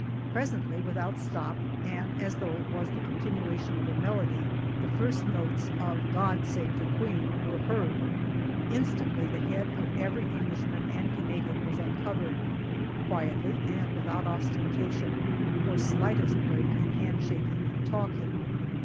Presently, without stop, and as though it was the continuation of a melody, the first notes of "God Save the Queen" were heard. Instantly the head of every Englishman and Canadian was uncovered quietly, and without ostentation or slightest break in hand shaking and talking.